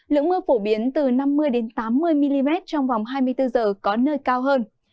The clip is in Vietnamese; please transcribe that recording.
lượng mưa phổ biến từ năm mươi tám mươi mm trong vòng hai mươi bốn h có nơi cao hơn